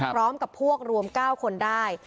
พร้อมกับพวกรวม๙คนได้